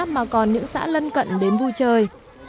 mà còn những xã lân cận đến vui chơi